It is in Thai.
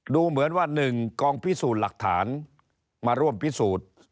ดูเหมือนว่า๑กองพิสูจน์หลักฐานมาร่วมพิสูจน์